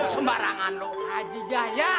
sembarangan lo haji jaya